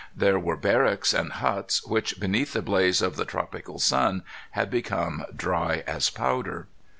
There were barracks and huts, which, beneath the blaze of a tropical sun, had become dry as powder.